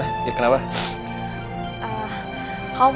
nationwide salam telah selstuh malam mtp